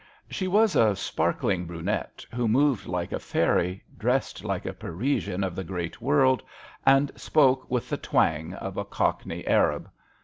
She was a sparkling brunette, who moved like a fairy, dressed like a Parisian of the great world, and spoke with the twang of a cockney arab.